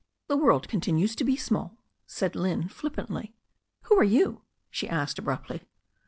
"The world continues to be small," said Lynne flippantly. "Who are you?" she asked abruptly.